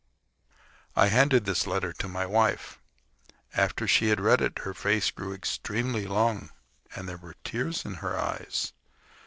I handed this letter to my wife. After she had read it her face grew extremely long, and there were tears in her eyes.